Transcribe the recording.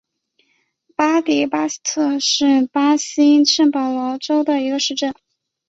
巴迪巴西特是巴西圣保罗州的一个市镇。